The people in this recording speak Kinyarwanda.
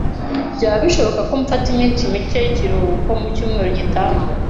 Byaba bishoboka ko mfata iminsi mike y'ikiruhuko mu cyumweru gitaha?